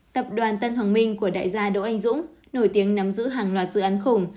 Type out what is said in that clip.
tập đoàn tân hoàng minh của đại gia đỗ anh dũng nổi tiếng nắm giữ hàng loạt dự án khủng